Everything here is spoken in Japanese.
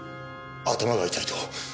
頭が痛いと。